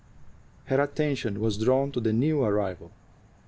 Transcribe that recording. Her attention was drawn to the new arrival.